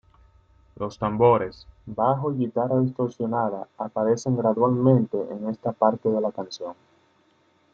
Los tambores, bajo y guitarra distorsionada aparecen gradualmente en esta parte de la canción.